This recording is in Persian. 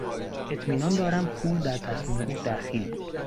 اطمینان دارم پول در تصمیم او دخیل بود.